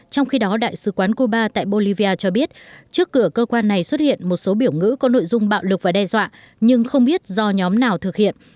trong khi đó đại sứ quán cuba tại bolivia cho biết trước cửa cơ quan này xuất hiện một số biểu ngữ có nội dung bạo lực và đe dọa nhưng không biết do nhóm nào thực hiện